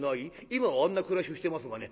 今はあんな暮らしをしてますがね